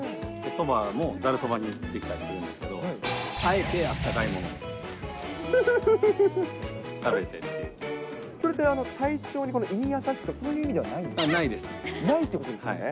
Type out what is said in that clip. そばもざるそばにできたりするんですけど、あえてあったかいものそれって、体調にとか、胃に優しいとか、そういう意味ではない？ないということですね。